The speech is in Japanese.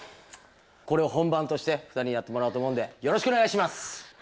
これを本番として２人にやってもらおうと思うんでよろしくおねがいします！